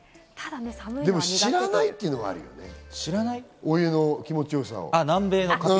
でも知らないっていうのはあるよね、お湯の気持ちよさを。